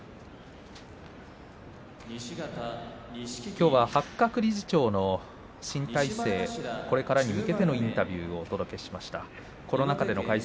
きょうは八角理事長の新体制これからの相撲界に向けてのインタビューをお届けしました。